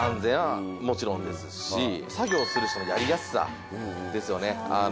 もちろんですし作業する人のやりやすさですよね。